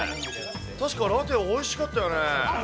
たしかラテおいしかったよね？